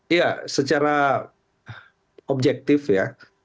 ya secara objektif ya